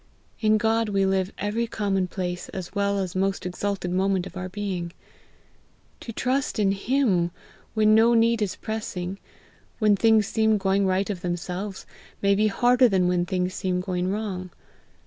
In God we live every commonplace as well as most exalted moment of our being. To trust in him when no need is pressing, when things seem going right of themselves, may be harder than when things seem going wrong.